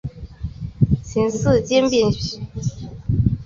似形古尖腭扁虫为尖腭扁虫科中一个已灭绝的物种。